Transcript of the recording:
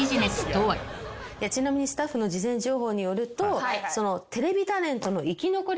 ちなみにスタッフの事前情報によると。